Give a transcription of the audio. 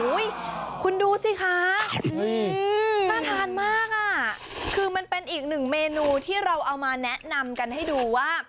คุณดูสิคะน่าทานมากอ่ะคือมันเป็นอีกหนึ่งเมนูที่เราเอามาแนะนำกันให้ดูว่า